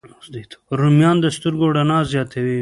رومیان د سترګو رڼا زیاتوي